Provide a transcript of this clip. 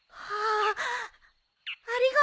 ああ。